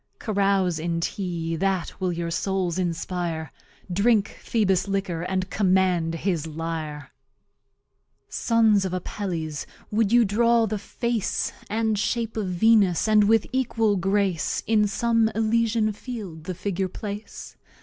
Carouse in Tea, that will your Souls inspire; Drink Phoebus's liquor and command his Lyre. Sons of Appelles, wou'd you draw the Face And Shape of Venus, and with equal Grace In some Elysian Field the Figure place?